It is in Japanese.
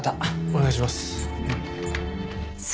お願いします。